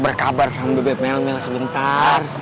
berkabar sama bebek melmil sebentar